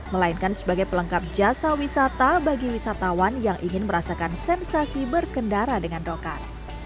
melainkan sebagai pelengkap jasa wisata bagi wisatawan yang ingin merasakan sensasi berkendara dengan dokter